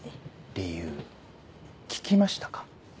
理由聞きましたか？